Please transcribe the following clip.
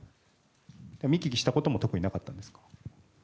見聞きしたことも特になかったんですか？